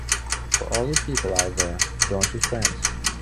For all you people out there, don't you stress.